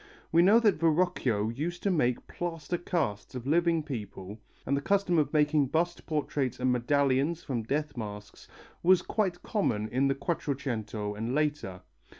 We know that Verrocchio used to make plaster casts of living people, and the custom of making bust portraits and medallions from death masks was quite common in the Quattrocento and later.